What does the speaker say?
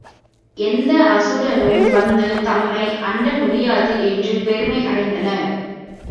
எந்த அசுரனும் வந்து தம்மை அண்ட முடியாது என்று பெருமை அடைந்தனர்.